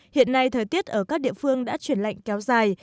hiện nay thời tiết ở các địa phương đã chuyển lạnh kéo dài